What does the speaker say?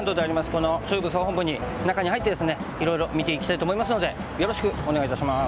この中部総本部に中に入ってですねいろいろ見ていきたいと思いますのでよろしくお願いいたします。